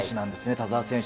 田澤選手。